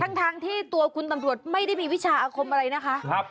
ทั้งที่ตัวคุณตำรวจไม่ได้มีวิชาอาคมอะไรนะคะ